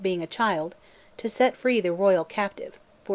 being a child) to set free the royal captive (1424).